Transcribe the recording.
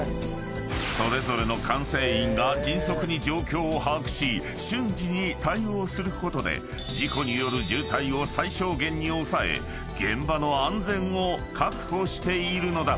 ［それぞれの管制員が迅速に状況を把握し瞬時に対応することで事故による渋滞を最小限に抑え現場の安全を確保しているのだ］